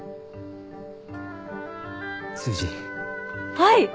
はい！